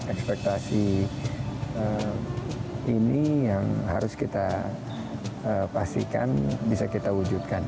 ekspektasi ini yang harus kita pastikan bisa kita wujudkan